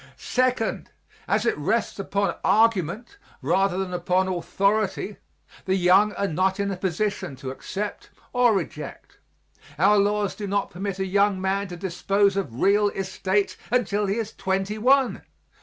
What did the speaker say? Second, as it rests upon argument rather than upon authority, the young are not in a position to accept or reject. Our laws do not permit a young man to dispose of real estate until he is twenty one.